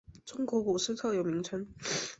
中国股市特有名称。